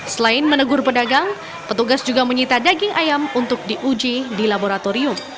selain menegur pedagang petugas juga menyita daging ayam untuk diuji di laboratorium